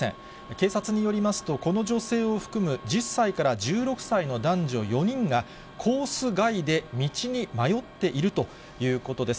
警察によりますと、この女性を含む１０歳から１６歳の男女４人が、コース外で道に迷っているということです。